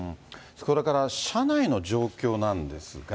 それから、車内の状況なんですが。